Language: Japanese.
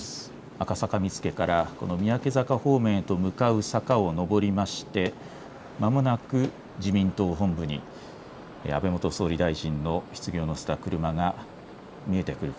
赤坂見附から三宅坂方面へと向かう坂をのぼりましてまもなく自民党本部に安倍元総理大臣のひつぎを乗せた車が見えてくる。